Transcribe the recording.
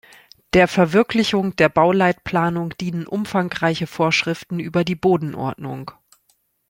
Der Verwirklichung der Bauleitplanung dienen umfangreiche Vorschriften über die Bodenordnung.